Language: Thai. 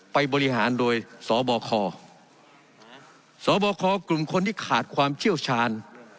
ไปบริหารโดยสบคสบคกลุ่มคนที่ขาดความเชี่ยวชาญ